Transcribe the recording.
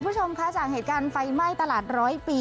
คุณผู้ชมคะจากเหตุการณ์ไฟไหม้ตลาดร้อยปี